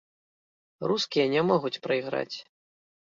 Рускія не могуць прайграць.